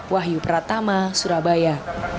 wahyu pratama surabaya